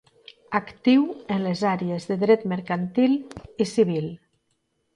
Actiu en les àrees de dret mercantil i civil.